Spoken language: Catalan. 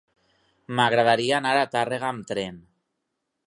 M'agradaria anar a Tàrrega amb tren.